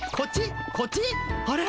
あれ？